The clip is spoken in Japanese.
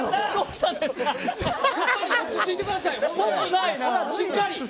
しっかり。